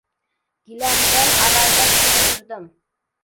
Gilamdan avaylabgina yurdim.